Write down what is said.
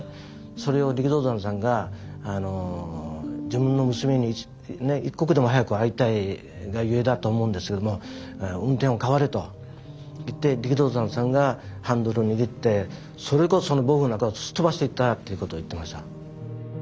それを力道山さんが自分の娘に一刻でも早く会いたいがゆえだと思うんですけども運転を代われと言って力道山さんがハンドルを握ってそれこそその暴風雨の中をすっ飛ばしていったっていうことを言ってました。